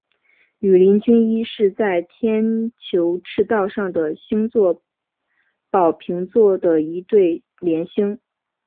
羽林军一是在天球赤道上的星座宝瓶座的一对联星。